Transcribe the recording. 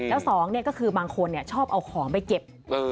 แล้วสองก็คือบางคนชอบเอาของไปเก็บ